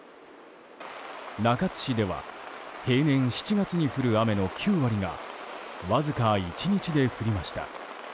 中津市では平年７月に降る雨の９割がわずか１日で降りました。